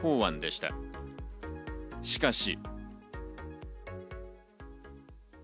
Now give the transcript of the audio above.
しかし。